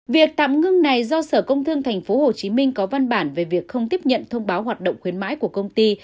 việc tạm ngưng này do sở công thương tp hcm có văn bản về việc không tiếp nhận thông báo hoạt động khuyến mãi của công ty